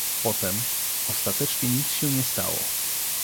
Potem: — Ostatecznie nic się nie stało.